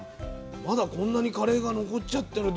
まだこんなにカレーが残っちゃってる。